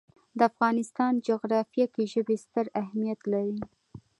د افغانستان جغرافیه کې ژبې ستر اهمیت لري.